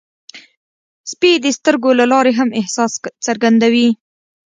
سپي د سترګو له لارې هم احساس څرګندوي.